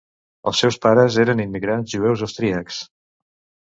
Els seus pares eren immigrants jueus austríacs.